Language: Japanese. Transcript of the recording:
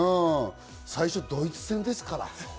最初、ドイツ戦ですから。